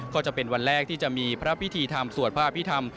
ก็จะเป็นวันแรกที่จะมีพระพิธีธรรมสวดพระอภิษฐรรม